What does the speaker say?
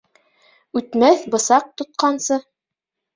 Үтмәҫ бысаҡ тотҡансы